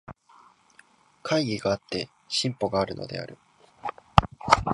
懐疑があって進歩があるのである。